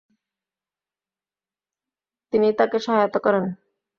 তিনি তাকে সহায়তা করেন।